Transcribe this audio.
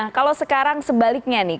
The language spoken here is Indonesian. nah kalau sekarang sebaliknya nih